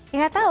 ya gak tahu